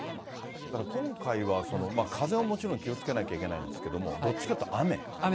だから今回は、風はもちろん気をつけなきゃいけないんですけれども、どっちかっていうと雨。